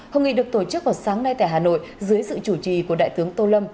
hội nghị được tổ chức vào sáng nay tại hà nội dưới sự chủ trì của đại tướng tô lâm